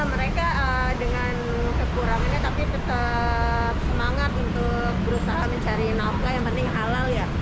mereka dengan kekurangannya tapi tetap semangat untuk berusaha mencari nafkah yang penting halal ya